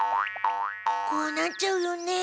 こうなっちゃうよね。